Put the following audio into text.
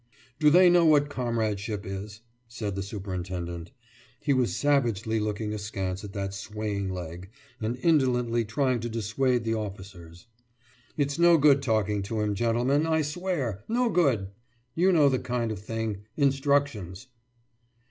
»Do they know what comradeship is?« said the superintendent. He was savagely looking askance at that swaying leg, and indolently trying to dissuade the officers. »It's no good talking to him, gentlemen, I swear! No good! You know the kind of thing instructions!